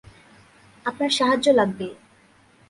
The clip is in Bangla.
আপনার সাহায্য লাগবে।